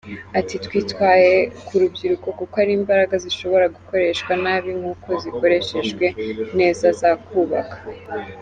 Ati “Twitaye ku rubyiruko kuko ari imbaraga zishobora gukoreshwa nabi nkuko zikoreshejwe neza zakubaka.